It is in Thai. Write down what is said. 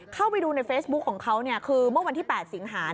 เข้าไปดูในเฟซบุ๊คของเขาคือเมื่อวันที่๘สิงหา